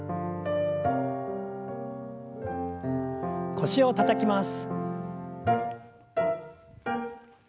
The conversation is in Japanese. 腰をたたきます。